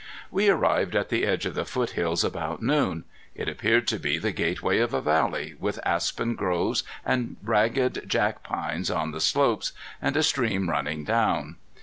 We arrived at the edge of the foothills about noon. It appeared to be the gateway of a valley, with aspen groves and ragged jack pines on the slopes, and a stream running down.